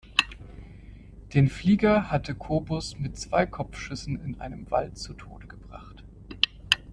Den Flieger hatte Kobus mit zwei Kopfschüssen in einem Wald zu Tode gebracht.